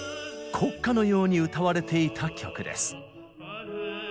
国歌のように歌われていた曲です。